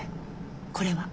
これは？